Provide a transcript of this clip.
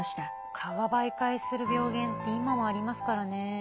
蚊が媒介する病原って今もありますからね。